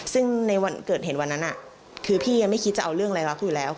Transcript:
ซึ่งในวันเกิดเหตุวันนั้นคือพี่ยังไม่คิดจะเอาเรื่องอะไรรักอยู่แล้ว